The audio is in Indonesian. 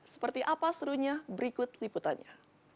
seperti apa serunya berikut liputannya